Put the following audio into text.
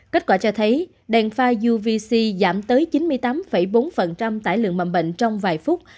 kết quả cho thấy đèn pha yovic giảm tới chín mươi tám bốn tải lượng mầm bệnh trong vài phút